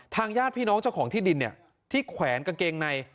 ญาติพี่น้องเจ้าของที่ดินที่แขวนกางเกงใน